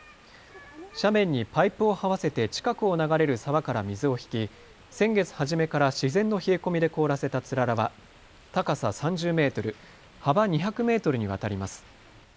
斜面にパイプをはわせて近くを流れる沢から水を引き先月初めから自然の冷え込みで凍らせたつららは高さ３０メートル、幅２００メートルにわたります。